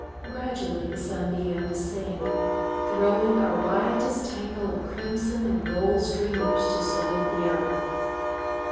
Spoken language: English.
Gradually the sun began to sink, throwing a riotous tangle of crimson and gold streamers to salute the earth.